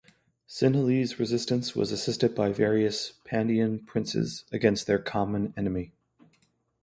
Sinhalese resistance was assisted by various Pandyan princes against their common enemy.